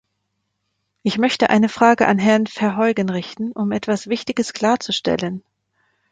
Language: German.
Ich möchte eine Frage an Herrn Verheugen richten, um etwas Wichtiges klarzustellen.